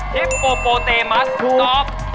พิบโปโตเมสตอบ